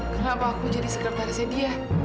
kenapa aku jadi sekretarisnya dia